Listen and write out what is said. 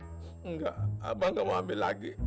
enggak abah gak mau ambil lagi